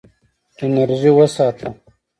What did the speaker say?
انرژي وساته.